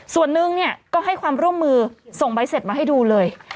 ส่วนหนึ่งเนี่ยก็ให้ความร่วมมือส่งใบเสร็จมาให้ดูเลย